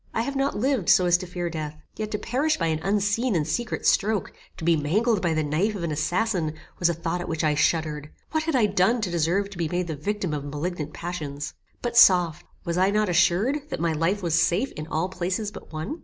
I have not lived so as to fear death, yet to perish by an unseen and secret stroke, to be mangled by the knife of an assassin was a thought at which I shuddered; what had I done to deserve to be made the victim of malignant passions? But soft! was I not assured, that my life was safe in all places but one?